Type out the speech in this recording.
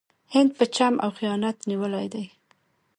هند په چم او خیانت نیولی دی.